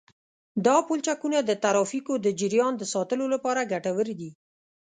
دا پلچکونه د ترافیکو د جریان د ساتلو لپاره ګټور دي